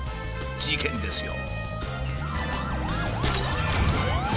事件ですよ。